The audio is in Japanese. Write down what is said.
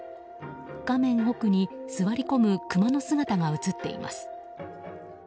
画面奥に、座り込むクマの姿が映っています。